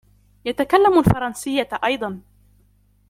يتكلم الفرنسية أيضاً.